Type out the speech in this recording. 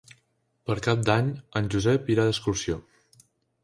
Per Cap d'Any en Josep irà d'excursió.